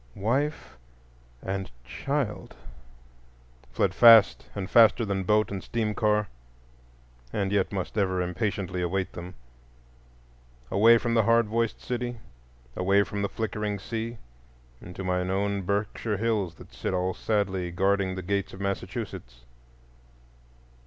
Wife and child?"—fled fast and faster than boat and steam car, and yet must ever impatiently await them; away from the hard voiced city, away from the flickering sea into my own Berkshire Hills that sit all sadly guarding the gates of Massachusetts.